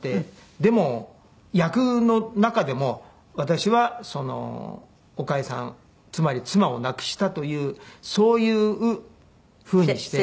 でも役の中でも私は岡江さんつまり妻を亡くしたというそういうふうにして。